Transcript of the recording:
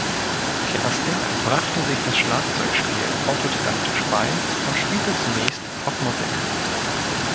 Kersting brachte sich das Schlagzeugspiel autodidaktisch bei und spielte zunächst Rockmusik.